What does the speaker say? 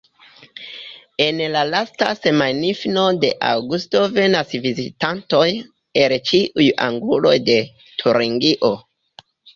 En la lasta semajnfino de aŭgusto venas vizitantoj el ĉiuj anguloj de Turingio.